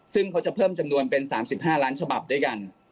ซึ่งเขาจะเพิ่มจำนวนเป็น๓๕ล้านฉบับด้วยกัน